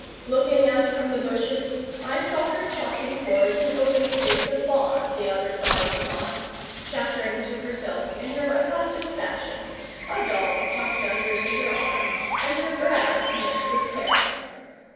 Looking out from the bushes, I saw her trotting towards an open space of lawn the other side the pond, chattering to herself in her accustomed fashion, a doll tucked under either arm, and her brow knit with care.